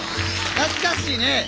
懐かしいね。